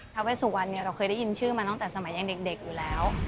เวสุวรรณเนี่ยเราเคยได้ยินชื่อมาตั้งแต่สมัยยังเด็กอยู่แล้ว